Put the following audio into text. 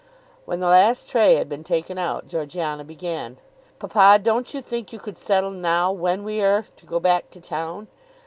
When the last tray had been taken out, Georgiana began. "Papa, don't you think you could settle now when we are to go back to town?